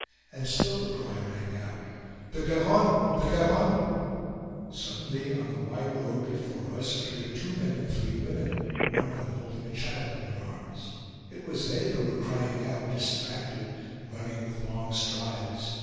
And still the cry rang out: "The Garonne! The Garonne!" Suddenly, on the wide road before us, appeared two men and three women, one of them holding a child in her arms. It was they who were crying out, distracted, running with long strides.